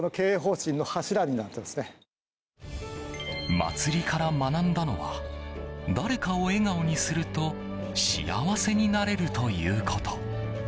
祭りから学んだのは誰かを笑顔にすると幸せになれるということ。